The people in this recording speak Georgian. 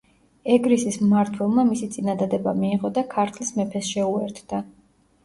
ეგრისის მმართველმა მისი წინადადება მიიღო და ქართლის მეფეს შეუერთდა.